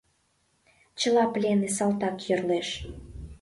Чыла пленный салтак йӧрлеш.